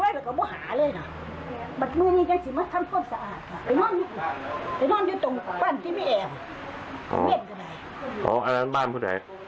วันที่ขึ้นมานอนอีกอย่างนี้